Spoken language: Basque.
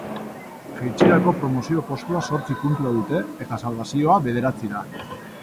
Jaitsierako promozio postua zortzi puntura dute eta salbazioa bederatzira.